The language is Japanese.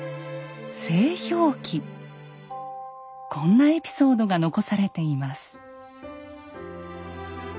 こんなエピソードが残されています。